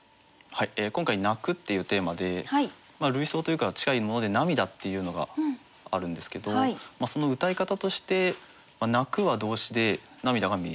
今回「泣」っていうテーマで類想というか近いもので「涙」っていうのがあるんですけどそのうたい方として「泣」は動詞で「涙」が名詞。